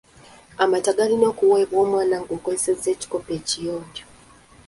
Amata galina okuweebwa omwana ng'okozesa ekikopo ekiyonjo.